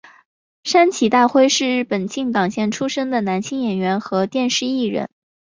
山崎大辉是日本静冈县出生的男性演员和电视艺人。